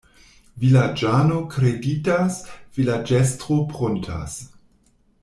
Vilaĝano kreditas, vilaĝestro pruntas.